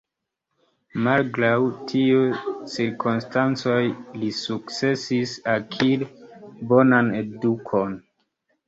Malgraŭ tiuj cirkonstancoj, li sukcesis akiri bonan edukon.